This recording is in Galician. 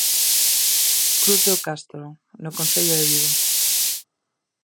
Cruz do Castro, no Concello de Vigo.